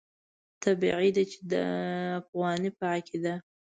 طبیعي ده چې د افغاني په عقیده.